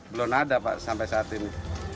belum ada pak sampai saat ini